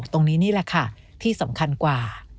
ตรงนี้นี่แหละค่ะที่สำคัญกว่า